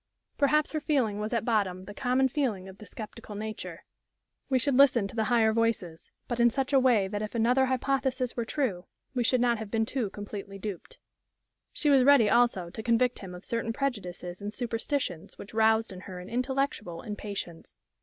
Perhaps her feeling was at bottom the common feeling of the sceptical nature. "We should listen to the higher voices; but in such a way that if another hypothesis were true, we should not have been too completely duped." She was ready, also, to convict him of certain prejudices and superstitions which roused in her an intellectual impatience.